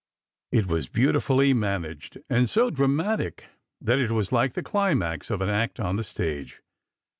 It was beautifully managed, and so dramatic that it was like the climax of an act on the stage.